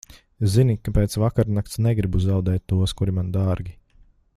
Zini, ka pēc vakarnakts negribu zaudēt tos, kuri man dārgi.